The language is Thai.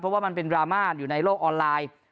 เพราะว่ามันเป็นดราม่าอยู่ในโลกออนไลน์